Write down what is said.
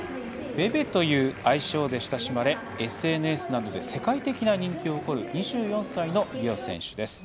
ベベという愛称で親しまれＳＮＳなどで世界的な人気を誇る２４歳のビオ選手です。